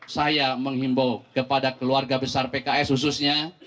saya menghimbau kepada keluarga besar pks khususnya